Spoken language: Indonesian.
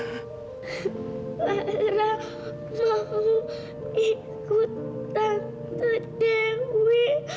lara mau ikut tante dewi